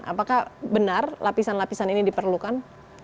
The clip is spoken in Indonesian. apakah benar lapisan lapisan ini diperlukan